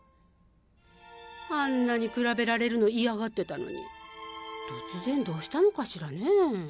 あんなに比べられるの嫌がってたのに突然どうしたのかしらね？